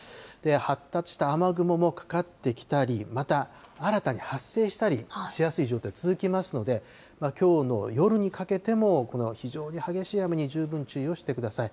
発達した雨雲もかかってきたり、また新たに発生したりしやすい状態、続きますので、きょうの夜にかけても、この非常に激しい雨に、十分注意をしてください。